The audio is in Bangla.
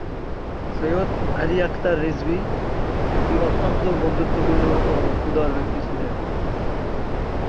সৈয়দ আলী আখতার রিজভী একটি অত্যন্ত বন্ধুত্বপূর্ণ ও উদার ব্যক্তি ছিলেন।